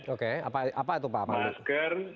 oke apa itu pak